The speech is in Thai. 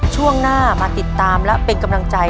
ช่วงหน้าเรามาตามและติดตามและเป็นกำลังใจ